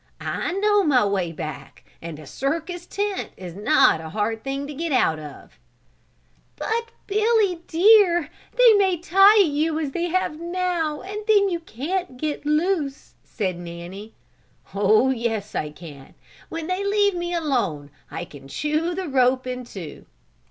I know my way back and a circus tent is not a hard thing to get out of." "But, Billy dear, they may tie you as they have now, and then you can't get loose," said Nanny. "Oh, yes I can, when they leave me alone, I can chew the rope in two."